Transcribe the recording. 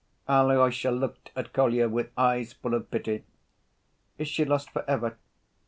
Alyosha looked at Kolya with eyes full of pity. "Is she lost for ever?"